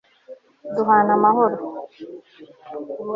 duhane amahoro